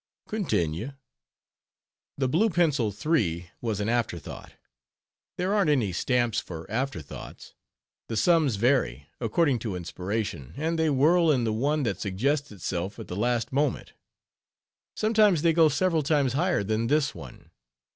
"Continue." "The blue pencil 3 was an afterthought. There aren't any stamps for afterthoughts; the sums vary, according to inspiration, and they whirl in the one that suggests itself at the last moment. Sometimes they go several times higher than this one.